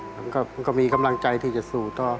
มันก็มีกำลังใจที่จะสู้ต่อ